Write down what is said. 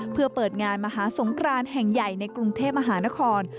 เพื่อเปิดงานมหาสงครานแห่งใหญ่ในกรุงเทพมหานคร